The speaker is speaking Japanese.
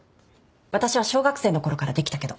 私は小学生のころからできたけど。